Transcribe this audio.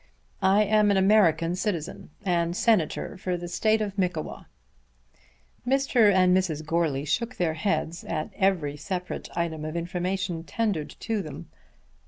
I am an American citizen, and Senator for the State of Mickewa." Mr. and Mrs. Goarly shook their heads at every separate item of information tendered to them.